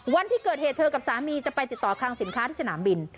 วันที่เกิดเหตุเธอกับสามีจะไปติดต่อคลังสินค้าที่สนามบิน